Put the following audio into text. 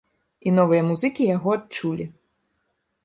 І новыя музыкі яго адчулі.